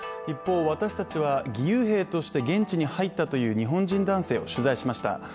一方、私たちは義勇兵として現地に入ったという日本人男性を取材しました。